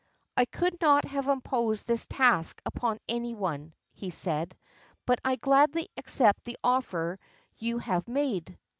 "I could not have imposed this task upon any one," he said, "but I gladly accept the offer you have made."